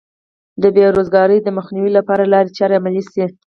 د بې روزګارۍ د مخنیوي لپاره لارې چارې عملي شي.